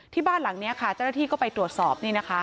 ที่บ้านหลังเนี้ยค่ะท่านที่ก็ไปตรวจสอบนี่นะคะ